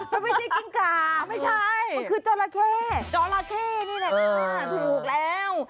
มันไม่ใช่กิ้งกะมันคือจราเข้จราเข้นี่แหละถูกแล้ว